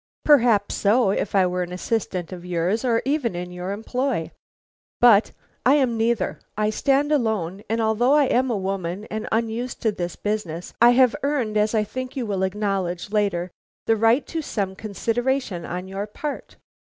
"Perhaps so if I were an assistant of yours, or even in your employ. But I am neither; I stand alone, and although I am a woman and unused to this business, I have earned, as I think you will acknowledge later, the right to some consideration on your part.